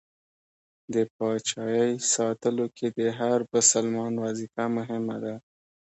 د پاچایۍ ساتلو کې د هر بسلمان وظیفه مهمه ده.